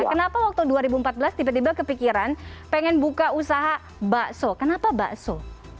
kenapa waktu dua ribu empat belas tiba tiba kepikiran pengen buka usaha bakso kenapa bakso